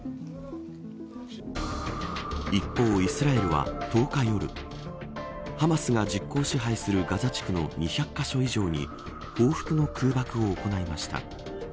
一方、イスラエルは１０日夜ハマスが実効支配するガザ地区の２００カ所以上に報復の空爆を行いました。